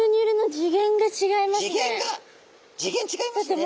次元違いますね。